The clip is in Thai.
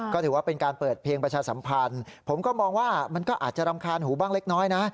ก็ถือว่าเป็นการเปิดเพลงประชาสัมพันธ์ผมก็มองว่ามันก็อาจจะรำคาญหูบ้างเล็กน้อยนะ